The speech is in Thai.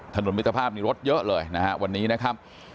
ถนนมิตรภาพมีรถเยอะเลยนะครับวันนี้นะครับ